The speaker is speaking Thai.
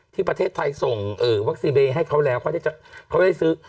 ที่ประเทศไทยส่งเอ่อวัคซีเบย์ให้เขาแล้วเขาได้จะเขาได้ซื้อ